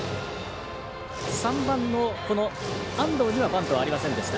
３番の安藤にはバントはありませんでした。